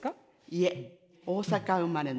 いえ。